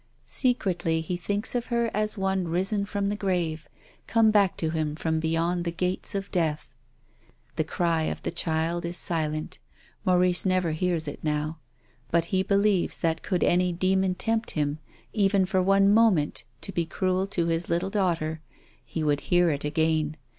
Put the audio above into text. Secretly he thinks of her as of one risen from the grave, come back to him from beyond the gates of death. The cry of the child is silent. Maurice never hears it now. But he believes that could any demon tempt him, even for one moment, to be cruel to his little daughter, he would hear it again.